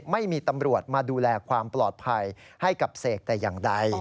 ไม่มีตำรวจมาดูแลความปลอดภัยให้กับเสกแต่อย่างใด